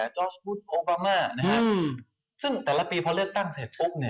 จอร์สบุทโอบามาซึ่งแต่ละปีพอเลือกตั้งเสร็จปุ๊บ